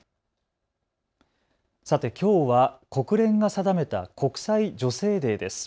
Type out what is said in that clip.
さて、きょうは国連が定めた国際女性デーです。